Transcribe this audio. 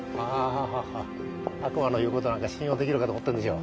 あ悪魔の言うことなんか信用できるかと思ってんでしょ。